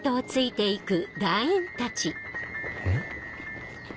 えっ？